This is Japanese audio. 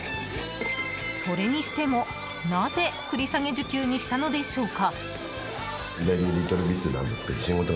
それにしても、なぜ繰り下げ受給にしたのでしょうか。